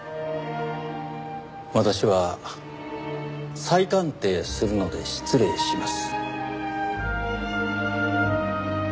私は再鑑定するので失礼します。